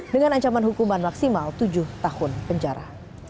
dengan ancaman hukuman maksimal tujuh tahun penjara